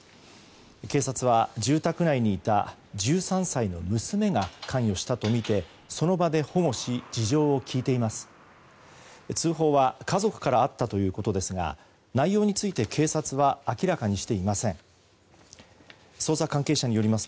警察は住宅内にいた１３歳の娘が関与したとみてその場で保護し事情を聴いています。